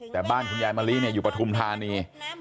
แต่บ้านคุณยายมะลิเนี่ยอยู่ประทุมธานี